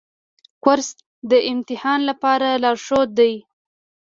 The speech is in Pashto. کورس د امتحان لپاره لارښود دی.